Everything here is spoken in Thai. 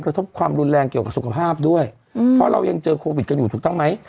ทบความรุนแรงเกี่ยวกับสุขภาพด้วยเพราะเรายังเจอโควิดกันอยู่ถูกต้องไหม